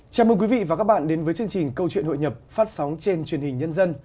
chào mừng quý vị và các bạn đến với chương trình câu chuyện hội nhập phát sóng trên truyền hình nhân dân